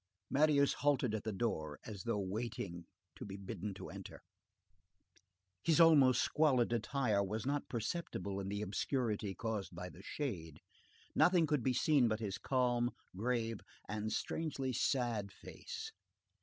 Marius halted at the door, as though waiting to be bidden to enter. His almost squalid attire was not perceptible in the obscurity caused by the shade. Nothing could be seen but his calm, grave, but strangely sad face.